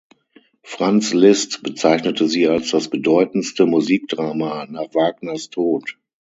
Franz Liszt bezeichnete sie als das bedeutendste Musikdrama nach Wagners Tod.